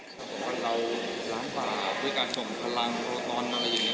เราน้ำปลาด้วยการส่งพลังโทรธรมาอะไรแบบนี้